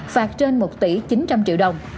phạt trên một chín trăm linh tỷ đồng